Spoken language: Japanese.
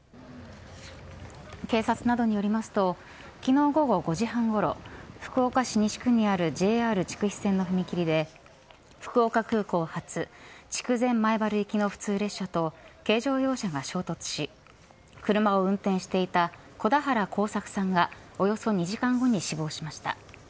警察などによりますと昨日午後５時半ごろ福岡市西区にあるＪＲ筑肥線の踏切で福岡空港発、筑前前原行きの普通列車と軽乗用車が衝突し車を運転していた児田原耕作さんがおよそ２時間後に死亡しました。